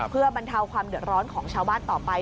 เพื่อบรรเทาความเดือดร้อนของชาวบ้านต่อไป